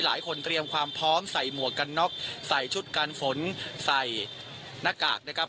เตรียมความพร้อมใส่หมวกกันน็อกใส่ชุดการฝนใส่หน้ากากนะครับ